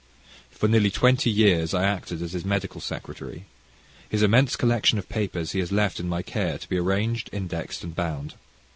For nearly twenty years I acted as his medical secretary. His immense collection of papers he has left in my care, to be arranged, indexed and bound.